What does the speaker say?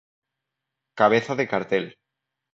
Cabeza de cartel